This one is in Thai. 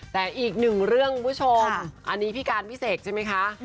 แต่อีกหนึ่งเรื่องคุณผู้ชมอันนี้พี่การพี่เสกใช่ไหมคะ